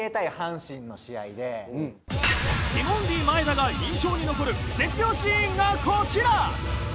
ティモンディ前田が印象に残るクセ強シーンがこちら。